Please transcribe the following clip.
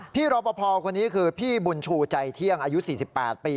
รอปภคนนี้คือพี่บุญชูใจเที่ยงอายุ๔๘ปี